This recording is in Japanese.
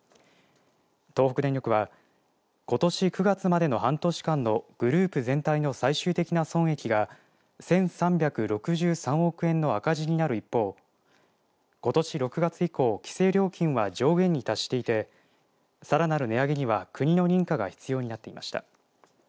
東北電力はことし９月までの半年間のグループ全体の最終的な損益が１３６３億円の赤字になる一方ことし６月以降、規制料金は上限に達していてさらなる値上げには国の認可が必要になっていました。